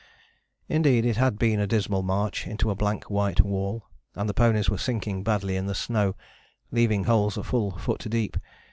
Indeed it had been a dismal march into a blank white wall, and the ponies were sinking badly in the snow, leaving holes a full foot deep.